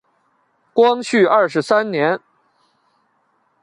光绪二十三年。